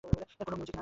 কোন মিউজিক নেই।